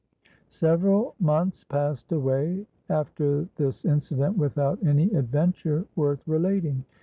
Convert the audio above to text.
"Several months passed away after this incident without any adventure worth relating.